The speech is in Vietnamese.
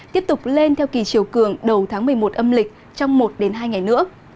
tiếp tục lên theo kỳ chiều cường đầu tháng một mươi một âm lịch trong một hai ngày nữa